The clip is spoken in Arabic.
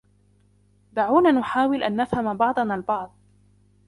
دعونا نحاول أن نفهم بعضنا البعض